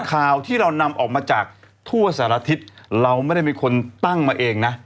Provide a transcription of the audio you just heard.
ข่าวที่เรานำออกมาจากทั่วสารทิศเราไม่ได้เป็นคนตั้งมาเองนะ